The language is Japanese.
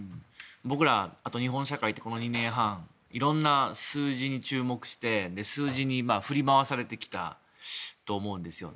僕ら、あと日本社会ってこの２年半色んな数字に注目して数字に振り回されてきたと思うんですよ。